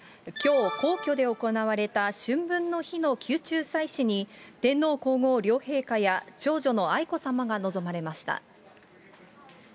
きょう、皇居で行われた春分の日の宮中祭祀に、天皇皇后両陛下や長女の愛子さまが臨まれました。